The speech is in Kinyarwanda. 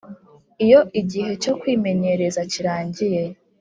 Iyo igihe cyo kwimenyereza kirangiye